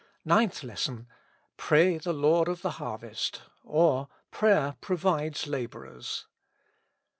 70 NINTH LESSON. «* Pray the Lord of the harvest ;'* or, Prayer pro vides Laborers.